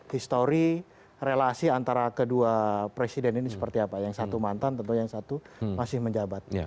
histori relasi antara kedua presiden ini seperti apa yang satu mantan tentu yang satu masih menjabat